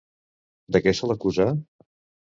De què se l'acusà?